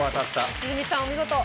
良純さんお見事。